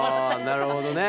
なるほどね。